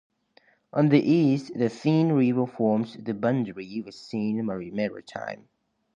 On the east, the Seine River forms the boundary with Seine-Maritime.